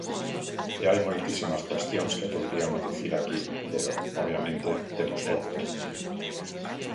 E hai moitísimas cuestións que poderiamos dicir aquí, pero, obviamente, temos pouco tempo.